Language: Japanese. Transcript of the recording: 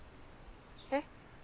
えっ？